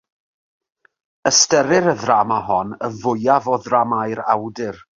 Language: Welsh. Ystyrir y ddrama hon y fwyaf o ddramâu'r awdur.